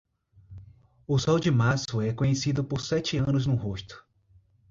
O sol de março é conhecido por sete anos no rosto.